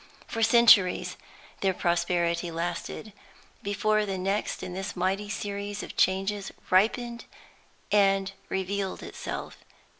For centuries their prosperity lasted, before the next in this mighty series of changes ripened and revealed itself.